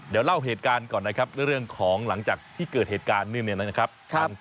เดี๋ยวเล่าเหตุการณ์ก่อนนะครับเรื่องของหลังจากที่เกิดเหตุการณ์เนื่องเนี่ยนะครับ